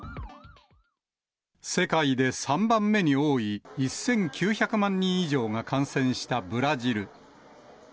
世界で３番目に多い、１９００万人以上が感染したブラジル。